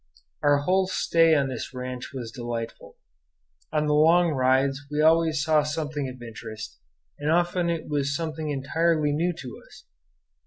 Our whole stay on this ranch was delightful. On the long rides we always saw something of interest, and often it was something entirely new to us.